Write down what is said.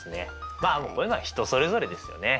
まあこういうのは人それぞれですよね。